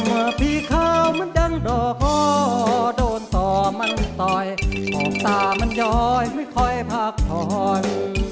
พี่ขาวมันยังดอกห้อโดนต่อมันต่อยมองตามันย้อยไม่ค่อยพักผ่อน